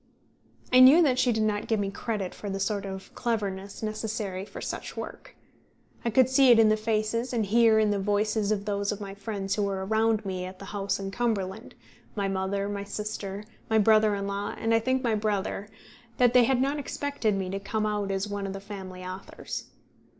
I knew that she did not give me credit for the sort of cleverness necessary for such work. I could see in the faces and hear in the voices of those of my friends who were around me at the house in Cumberland my mother, my sister, my brother in law, and, I think, my brother that they had not expected me to come out as one of the family authors.